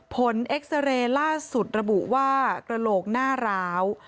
เอ็กซาเรย์ล่าสุดระบุว่ากระโหลกหน้าร้าว